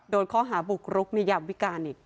โดนข้อหาบุกรุกในยามวิการอีก